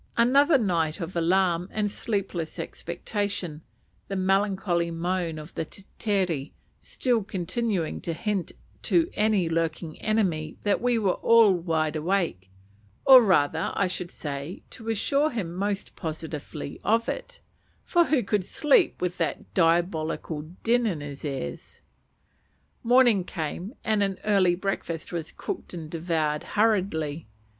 Another night of alarm and sleepless expectation, the melancholy moan of the tetere still continuing to hint to any lurking enemy that we were all wide awake; or rather, I should say, to assure him most positively of it, for who could sleep with that diabolical din in his ears? Morning came, and an early breakfast was cooked and devoured hurriedly.